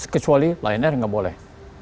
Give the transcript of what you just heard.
kecuali lion air nggak boleh